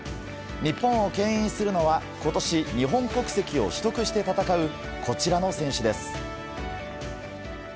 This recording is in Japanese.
日本を牽引するのは今年、日本国籍を取得して戦うこちらの選手です。